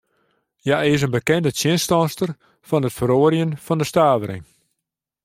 Hja is in bekende tsjinstanster fan it feroarjen fan de stavering.